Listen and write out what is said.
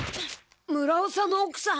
村長の奥さん。